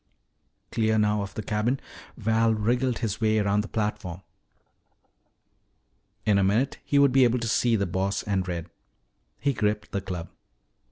Clear now of the cabin, Val wriggled his way around the platform. In a minute he would be able to see the Boss and Red. He gripped the club.